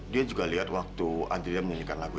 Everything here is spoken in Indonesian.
dia juga lihat waktu adrian menyanyikan lagu itu